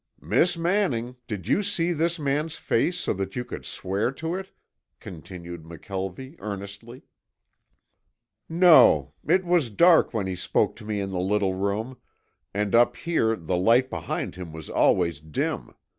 "Miss Manning, did you see this man's face so that you could swear to it?" continued McKelvie earnestly. "No. It was dark when he spoke to me in the little room, and up here the light behind him was always dim.